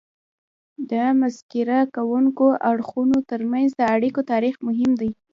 د مذاکره کوونکو اړخونو ترمنځ د اړیکو تاریخ مهم دی